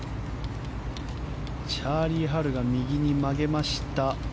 チャーリー・ハルが右に曲げました。